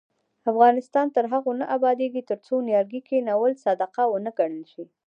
افغانستان تر هغو نه ابادیږي، ترڅو نیالګي کښینول صدقه ونه ګڼل شي.